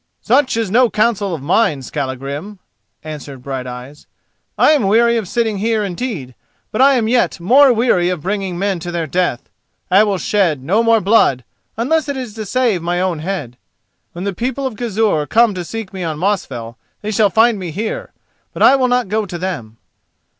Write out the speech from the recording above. "Such is no counsel of mine, Skallagrim," answered Brighteyes. "I am weary of sitting here, indeed; but I am yet more weary of bringing men to their death. I will shed no more blood, unless it is to save my own head. When the people of Gizur come to seek me on Mosfell, they shall find me here; but I will not go to them."